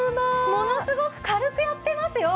ものすごく軽くやってますよ